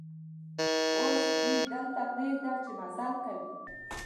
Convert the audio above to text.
اوس دوی دلته پرېږده چې مزل کوي.